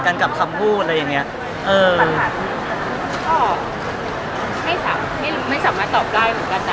กันกับคำพูดอะไรอย่างเงี้ยเออไม่สามารถไม่สามารถตอบได้เหมือนกันนะ